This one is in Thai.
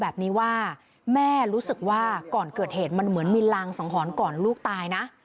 แบบนี้ว่าแม่รู้สึกว่าก่อนเกิดเหตุมันเหมือนมีรางสังหรณ์ก่อนลูกตายนะ